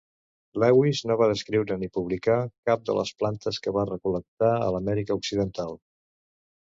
Lewis no va descriure ni publicar cap de les plantes que va recol·lectar a l'Amèrica occidental.